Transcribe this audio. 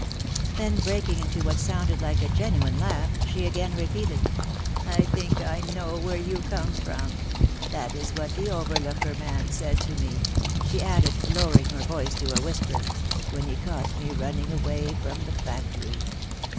Then breaking into what sounded like a genuine laugh, she again repeated, " I think I know where you come from — that is what the overlooker man said to me," she added, lowering her voice to a whisper, " when he caught me running away from the factory.